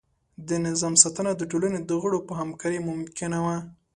د نظام ساتنه د ټولنې د غړو په همکارۍ ممکنه وه.